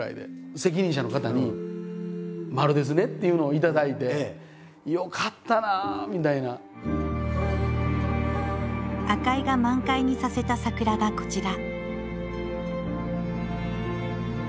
責任者の方に「丸ですね」っていうのを頂いて「よかったなあ」みたいな。赤井が満開にさせた桜がこちら。